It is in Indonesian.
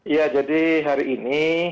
ya jadi hari ini